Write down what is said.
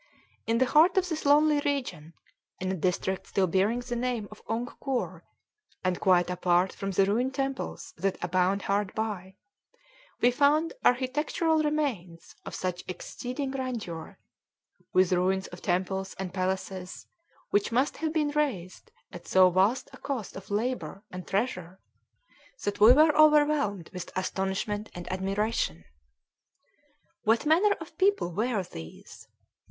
In the heart of this lonely region, in a district still bearing the name of Ongkoor, and quite apart from the ruined temples that abound hard by, we found architectural remains of such exceeding grandeur, with ruins of temples and palaces which must have been raised at so vast a cost of labor and treasure, that we were overwhelmed with astonishment and admiration. What manner of people were these?